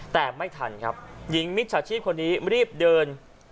แต่ไม่ทันครับหญิงมิจฉาชีพคนนี้รีบเดิน